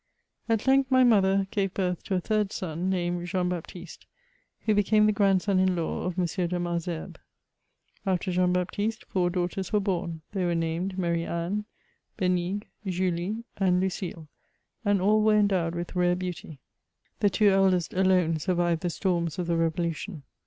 At length my mother gave birth to a third son, named Jean Bap tiste, who became the grandson in law of M. de Malesherbes. After Jean Baptiste, four daughters were bora. They were named Marie Anne, Benigue, JuUe and Lucile, and all were endowed with rare beauty. The two eldest alone surviyed the storms of the revolution.